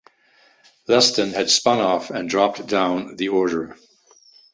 Leston had spun off and dropped down the order.